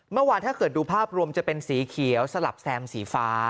ถ้าเกิดดูภาพรวมจะเป็นสีเขียวสลับแซมสีฟ้า